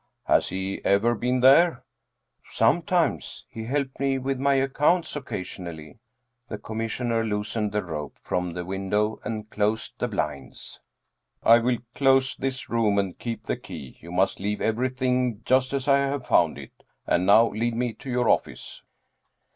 " Has he ever been there ?"" Sometimes ; he helped me with my accounts occasion ally." The Commissioner loosened the rope from the window and closed the blinds. " I will close this room and keep the key. You must leave everything just as I have found it. And now lead me to your office."